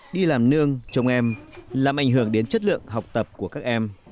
đi làm nương trong em làm ảnh hưởng đến chất lượng học tập của các em